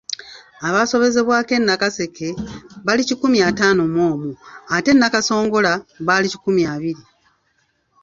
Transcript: Abaasobezebwako e Nakaseke bali kikumi ataano mu omu ate e Nakasongola baali kikumi abiri.